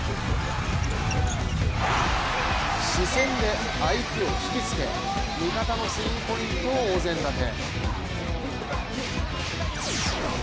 視線で相手を引き付け味方のスリーポイントをお膳立て。